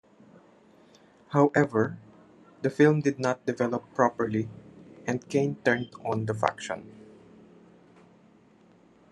However, the film did not develop properly, and Kane turned on the Faction.